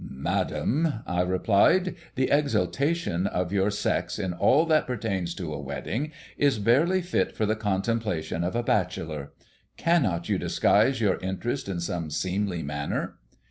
"Madame," I replied, "the exultation of your sex in all that pertains to a wedding is barely fit for the contemplation of a bachelor. Cannot you disguise your interest in some seemly manner?"